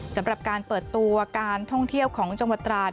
สำหรับการเปิดตัวการท่องเที่ยวของจังหวัดตราด